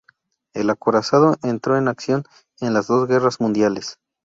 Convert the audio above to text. El acorazado entró en acción en las dos guerras mundiales.